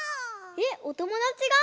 えっおともだちが？